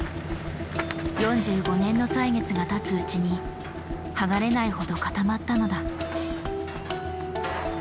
４５年の歳月がたつうちに剥がれないほど固まったのだ。